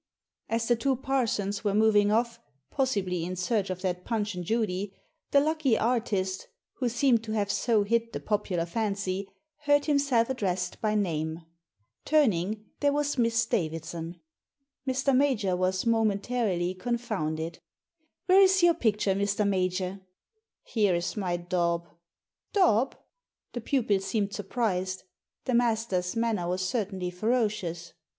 As the two parsons were moving off— possibly in search of that Punch and Judy — the lucky artist, who seemed to have so hit the popular fancy, heard himself addressed by name. Turning, there was Miss Davidson, Mr. Major was momentarily confounded " Where is your picture, Mr. Major? " Digitized by VjOOQIC 124 THE SEEN AND THE UNSEEN " Here is my daub." Daub?" The pupil seemed surprised. The master's manner was certainly ferocious.